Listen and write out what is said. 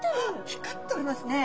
光っておりますね。